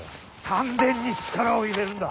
丹田に力を入れるんだ。